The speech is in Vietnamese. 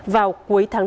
vào cuối tháng bốn